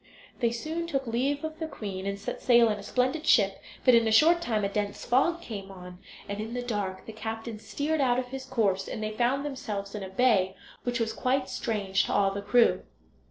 They soon took leave of the queen, and set sail in a splendid ship; but in a short time a dense fog came on, and in the dark the captain steered out of his course, and they found themselves in a bay which was quite strange to all the crew.